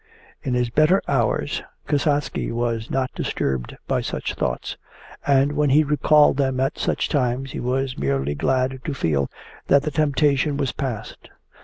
In his better hours Kasatsky was not disturbed by such thoughts, and when he recalled them at such times he was merely glad to feel that the temptation was past.